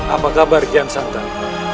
apa kabar gian santai